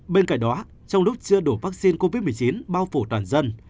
bên cạnh đó trong lúc chưa đủ vaccine covid một mươi chín bao phủ toàn dân